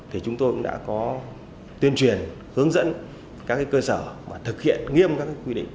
thì chúng tôi cũng đã có tuyên truyền hướng dẫn các cơ sở và thực hiện nghiêm các quy định